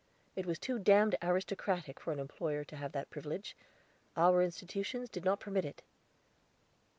It was too damned aristocratic for an employer to have that privilege; our institutions did not permit it.